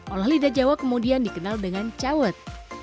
olah lidah jawa kemudian dikenal dengan cawet